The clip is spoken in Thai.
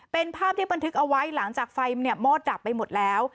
เป็นภาพที่บันทึกเอาไว้หลังจากไฟมอดดับไปหมดแล้ว